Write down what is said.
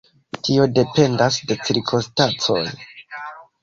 Tio dependas de cirkonstancoj.